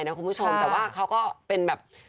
แต่ว่าเขาก็เป็นลูกทุ่งนิสัยดีตลกบอกว่าไม่ได้ดึงครับ